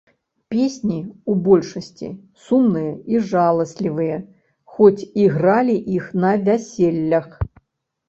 Песні ў большасці сумныя і жаласлівыя, хоць і гралі іх на вяселлях.